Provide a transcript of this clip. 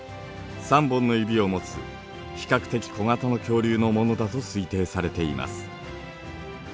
３本の指を持つ比較的小型の恐竜のものだと推定されています。